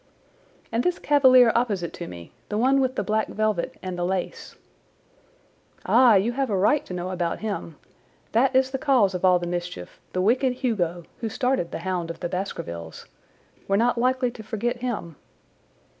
"And this Cavalier opposite to me—the one with the black velvet and the lace?" "Ah, you have a right to know about him. That is the cause of all the mischief, the wicked Hugo, who started the Hound of the Baskervilles. We're not likely to forget him."